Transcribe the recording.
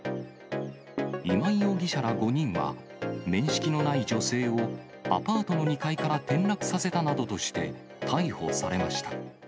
今井容疑者ら５人は、面識のない女性をアパートの２階から転落させたなどとして、逮捕されました。